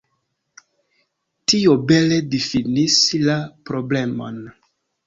Tio bele difinis la problemon.